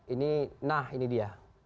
ini nah ini dia